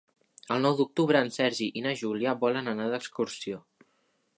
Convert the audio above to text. El nou d'octubre en Sergi i na Júlia volen anar d'excursió.